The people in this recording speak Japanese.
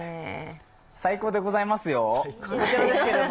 最高でございますよ！